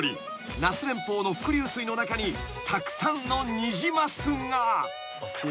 那須連峰の伏流水の中にたくさんのニジマスが］